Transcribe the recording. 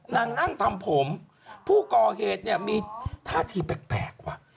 นั่งทำผมผู้ก่อเหตุเนี่ยมีท่าทีแปลกว่ะ